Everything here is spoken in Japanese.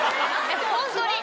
ホントに。